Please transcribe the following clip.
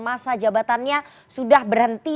masa jabatannya sudah berhenti